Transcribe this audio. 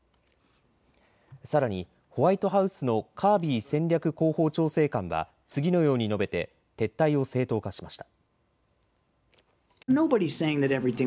さらにホワイトハウスのカービー戦略広報調整官は次のように述べて撤退を正当化しました。